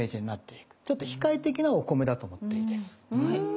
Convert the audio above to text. ちょっと控え的なお米だと思っていいです。